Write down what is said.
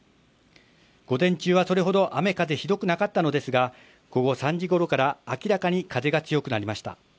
午前中はそれほど雨・風ひどくなかったのですが、午後３時半ごろから明らかに風が強くなりました。